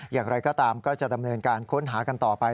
อย่างไรก็ตามก็จะดำเนินการค้นหากันต่อไป